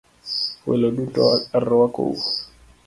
Welo duto aruakou.